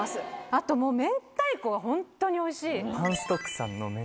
あと明太子がホントにおいしい。